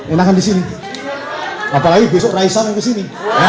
enakan di sini apalagi besok raisan yang ke sini